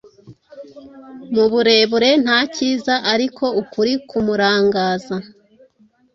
Muburebure, nta cyiza ariko ukuri kumurangaza.